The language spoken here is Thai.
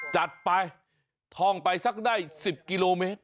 จัดไปท่องไปสักได้๑๐กิโลเมตร